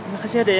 makasih ya dek